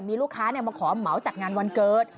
มีลูกค้ามาขอเหมาจัดงานวันเกิด